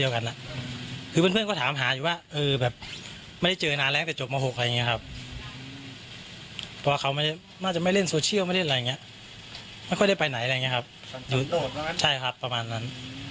เขามักจะไม่เล่นโซเชียลไม่ค่อยได้ไปไหนประมาณนั้น